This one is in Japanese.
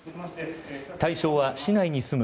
対象は市内に住む